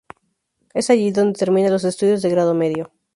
Es allí dónde termina los estudios de grado medio.